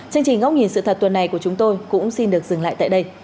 chương trình góc nhìn sự thật tuần này của chúng tôi cũng xin được dừng lại tại đây